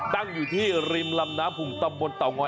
ตั้งอยู่ที่ริมลำน้าภูมิต้อมแบบบนเต่าง้อย